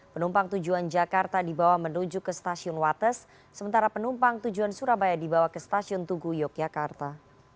penumpang tujuan jakarta dibawa menuju ke stasiun wates sementara penumpang tujuan surabaya dibawa ke stasiun tugu yogyakarta